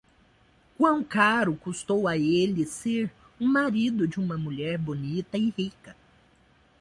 Quão caro custou a ele ser o marido de uma mulher bonita e rica!